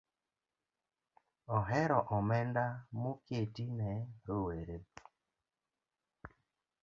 ohero omenda moketi ne rowereB.